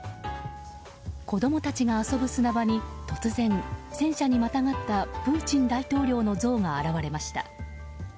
子供たちが遊ぶ砂場に突然戦車にまたがったプーチン大統領の像が現れました。